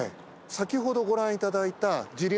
先ほどご覧いただいた。